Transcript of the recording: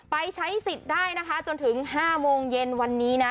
ใช้สิทธิ์ได้นะคะจนถึง๕โมงเย็นวันนี้นะ